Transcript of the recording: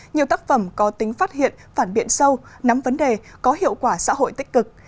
nhiều tác phẩm có tính phát hiện phản biện sâu nắm vấn đề có hiệu quả xã hội tích cực